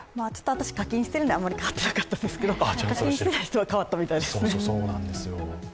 私、課金しているんであまり変わってないんですが課金している人は変わったみたいですね。